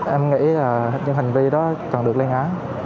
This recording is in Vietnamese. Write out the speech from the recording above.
em nghĩ là những hành vi đó cần được lây ngã